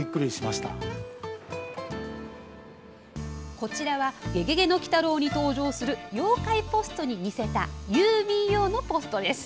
こちらは「ゲゲゲの鬼太郎」に登場する妖怪ポストに似せた郵便用のポストです。